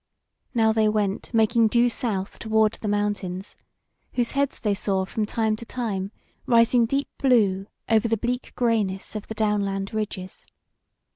Now they went making due south toward the mountains, whose heads they saw from time to time rising deep blue over the bleak greyness of the down land ridges.